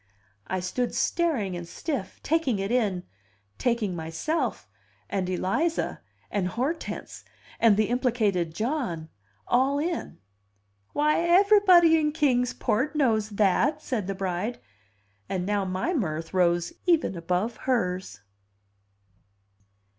I stood staring and stiff, taking it in, taking myself, and Eliza, and Hortense, and the implicated John, all in. "Why, aivrybody in Kings Port knows that!" said the bride; and now my mirth rose even above hers.